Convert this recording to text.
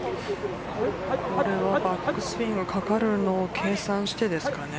バックスピンがかかるのを計算してですかね